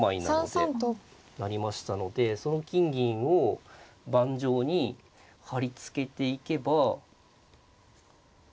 なりましたのでその金銀を盤上に張り付けていけば。